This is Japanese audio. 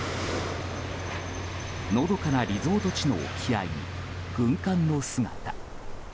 のどかなリゾート地の沖合に軍艦の姿。